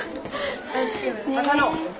浅野。